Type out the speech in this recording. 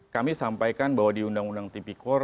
kami sampaikan bahwa di undang undang tp kor